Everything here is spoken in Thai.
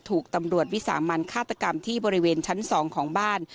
ถูกตำรวจวิสามันฆาตกรรมที่บริเวณชั้น๒ของบ้าน